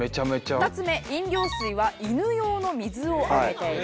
２つ目飲用水は犬用の水をあげている。